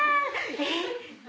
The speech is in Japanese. えっ！